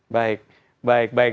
baik baik baik